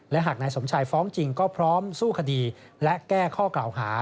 และหากนายสมชายฟ้องจริงก็พร้อมสู้คดีและแก้ข้อกล่าวหา